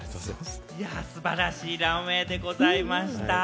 素晴らしいランウェイでございました。